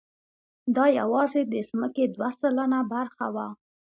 دا یواځې د ځمکې دوه سلنه برخه وه.